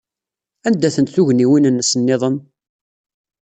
Anda-tent tugniwin-nnes niḍen?